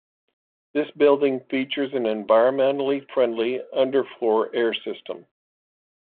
This building features an environmentally friendly underfloor air system.